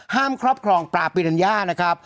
ครอบครองปลาปิรัญญานะครับ